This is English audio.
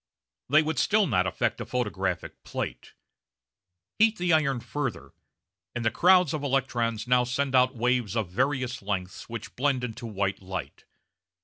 They would still not affect a photographic plate. Heat the iron further, and the crowds of electrons now send out waves of various lengths which blend into white light.